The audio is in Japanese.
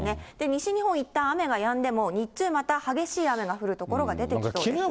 西日本、いったん雨がやんでも、日中また激しい雨が降る所が出てきそうです。